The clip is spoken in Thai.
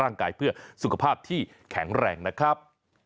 ร่างกายเพื่อสุขภาพที่แข็งแรงนะครับ